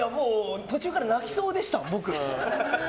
途中から泣きそうでした、僕。